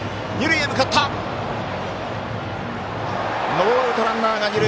ノーアウト、ランナーが二塁。